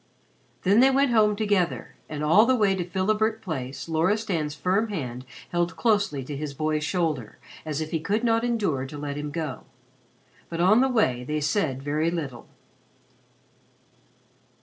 Then they went home together, and all the way to Philibert Place Loristan's firm hand held closely to his boy's shoulder as if he could not endure to let him go. But on the way they said very little.